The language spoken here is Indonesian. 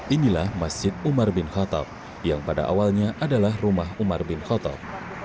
inilah masjid umar bin khattab yang pada awalnya adalah rumah umar bin khotob